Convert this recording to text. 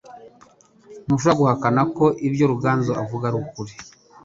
Ntushobora guhakana ko ibyo Ruganzu avuga ari ukuri.